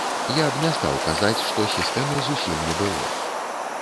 Я б не стаў казаць, што сістэмы зусім не было.